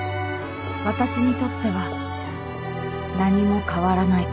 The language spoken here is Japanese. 私にとっては何も変わらない